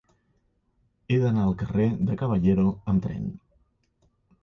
He d'anar al carrer de Caballero amb tren.